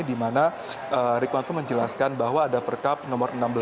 di mana rikwanto menjelaskan bahwa ada perkab nomor enam belas